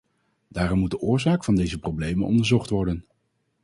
Daarom moet de oorzaak van deze problemen onderzocht worden.